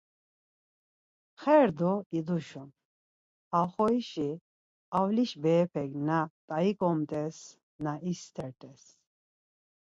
Xer do iduşun, ha oxorişi avliş berepek na t̆aikomt̆es, na istert̆es.